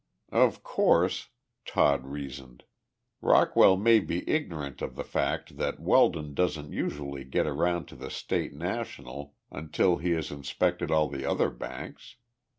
"Of course," Todd reasoned, "Rockwell may be ignorant of the fact that Weldon doesn't usually get around to the State National until he has inspected all the other banks.